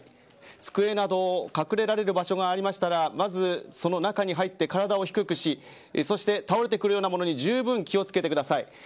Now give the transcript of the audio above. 机など隠れられる場所がありましたらまず、その中に入って体を低くしそして倒れてくるようなものにじゅうぶん気を付けてください。